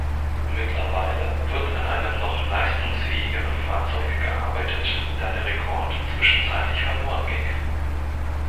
Mittlerweile wird an einem noch leistungsfähigeren Fahrzeug gearbeitet, da der Rekord zwischenzeitlich verloren ging.